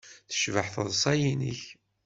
Tecbeḥ teḍsa-nnek.